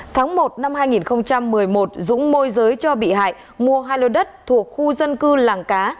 tháng một năm hai nghìn một mươi một dũng môi giới cho bị hại mua hai lô đất thuộc khu dân cư làng cá